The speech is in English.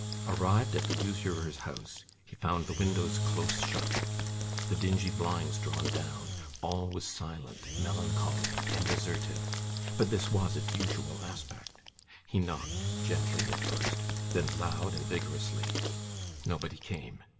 Arrived at the usurer's house, he found the windows close shut, the dingy blinds drawn down; all was silent, melancholy, and deserted. But this was its usual aspect. He knocked gently at first then loud and vigorously. Nobody came.